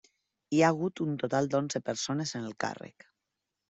Hi ha hagut un total d'onze persones en el càrrec.